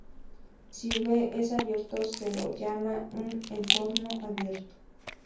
Si "V" es abierto se lo llama un entorno abierto.